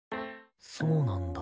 そうなんだ。